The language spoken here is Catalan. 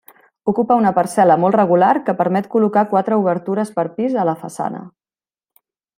Ocupa una parcel·la molt regular que permet col·locar quatre obertures per pis a la façana.